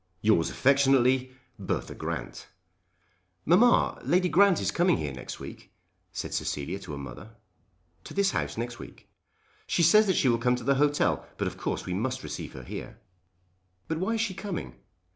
Yours affectionately, Bertha Grant." "Mamma, Lady Grant is coming here next week," said Cecilia to her mother. "To this house next week?" "She says that she will come to the hotel; but of course we must receive her here." "But why is she coming?"